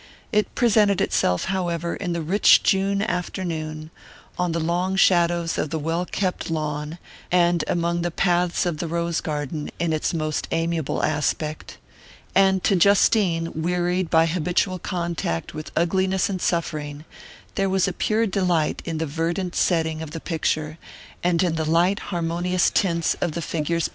It presented itself, however, in the rich June afternoon, on the long shadows of the well kept lawn, and among the paths of the rose garden, in its most amiable aspect; and to Justine, wearied by habitual contact with ugliness and suffering, there was pure delight in the verdant setting of the picture, and in the light harmonious tints of the figures peopling it.